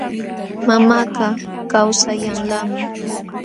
Mamakaq kawsayanlaqmi.